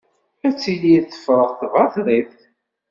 Ad tili tefreɣ tbaṭrit.